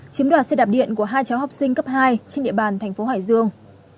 chiếm đoạt xe đạp điện của hai cháu học sinh cấp hai trên địa bàn thành phố hải dương